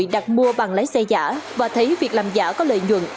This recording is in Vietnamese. đặt mua bằng lái xe giả và thấy việc làm giả có lợi nhuận